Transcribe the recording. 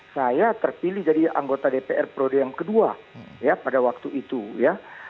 saya terpilih jadi anggota dpr periode yang kedua ya pada waktu itu ya